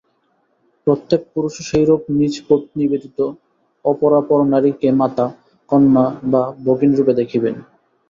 প্রত্যেক পুরুষও সেইরূপ নিজ পত্নী ব্যতীত অপরাপর নারীকে মাতা, কন্যা বা ভগিনীরূপে দেখিবেন।